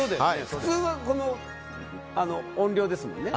普通は、この音量ですもんね。